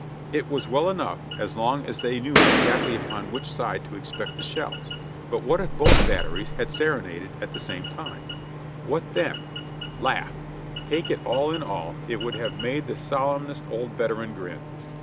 It was well enough, as long as they knew exactly upon which side to expect the shells, but what if both batteries had serenaded at the same time? What BUI.I. RUN 59 then ? Laugh ! Take it all in all, it would have made the solemn est old veteran grin.